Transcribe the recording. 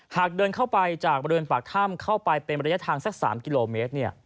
หากเดินไปปากถ้ำเป็นบริเวณ๓กิโลเมตร